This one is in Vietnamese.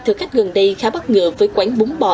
thực khách gần đây khá bất ngờ với quán bún bò